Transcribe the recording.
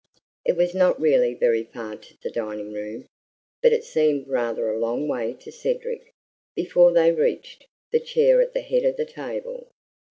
It was not really very far to the dining room, but it seemed rather a long way to Cedric, before they reached the chair at the head of the table.